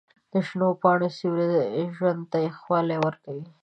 د شنو پاڼو سیوري ژوند ته یخوالی ورکوي.